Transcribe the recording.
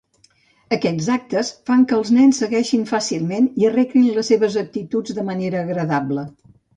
Aquests actes fan que els nens segueixin fàcilment i arreglin les seves actituds de manera agradable.